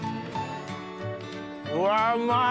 うわうまい！